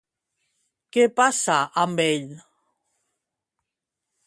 Què passa amb ell?